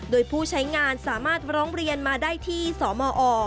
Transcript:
โดยผู้ใช้งานสามารถร้องเรียนมาได้ที่สมอ